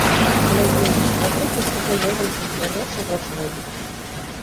Глядзі, як патрохі з кожным годам тут усё горш і горш робіцца.